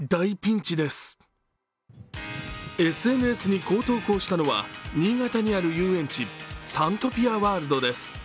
ＳＮＳにこう投稿したのは、新潟にある遊園地、サントピアワールドです。